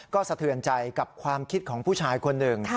ก็สะเทือนใจกับความคิดของผู้ชายคนหนึ่ง